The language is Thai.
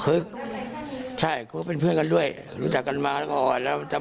คือใช่เขาก็เป็นเพื่อนกันด้วยรู้จักกันมาแล้วก็อ่อนแล้ว